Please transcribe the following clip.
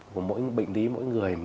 của mỗi bệnh lý mỗi người